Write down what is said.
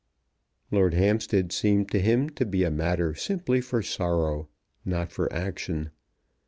Lord Hampstead seemed to him to be a matter simply for sorrow, not for action.